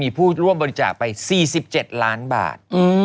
ผู้ร่วมบริจาคไป๔๗ล้านบาท